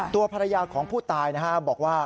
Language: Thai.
ตัวภรรยาของผู้ตายบอกว่า